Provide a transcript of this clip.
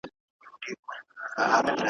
نور ګلاب ورڅخه تللي، دی یوازي غوړېدلی `